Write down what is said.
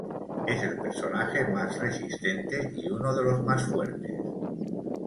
Es el personaje más resistente y uno de los más fuertes.